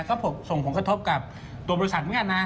ก็ส่งผลกระทบกับตัวบริษัทเหมือนกันนะ